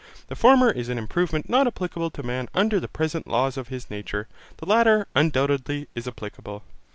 The former is an improvement not applicable to man under the present laws of his nature. The latter, undoubtedly, is applicable.